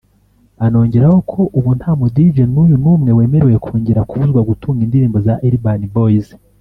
anongeraho ko ubu nta mu Dj n’uyu numwe wemerewe kongera kubuzwa gutunga indirimbo za Urban Boys